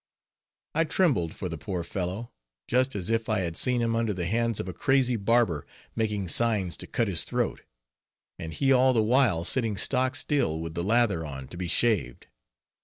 I trembled for the poor fellow, just as if I had seen him under the hands of a crazy barber, making signs to cut his throat, and he all the while sitting stock still, with the lather on, to be shaved.